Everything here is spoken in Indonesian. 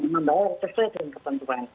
memang harus bersedia dengan kepentuan